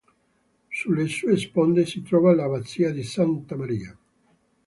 Sulle sue sponde si trova l'abbazia di Santa Maria.